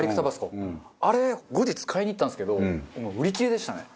あれ後日買いに行ったんですけどもう売り切れでしたね。